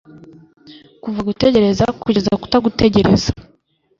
Kuva gutegereza kugeza kutagutegereje